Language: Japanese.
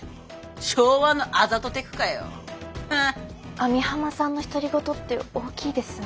網浜さんの独り言って大きいですね。